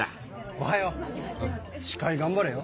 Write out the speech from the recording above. おはよう！司会がんばれよ。